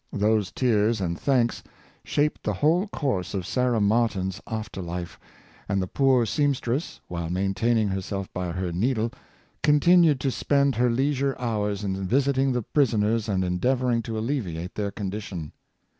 Those tears and thanks shaped the whole course of Sarah Martin's af ter life, and the poor seamstress, while maintaining her self by her needle, continued to spend her leisure hours in visiting the prisoners and endeavoring to alleviate their condition.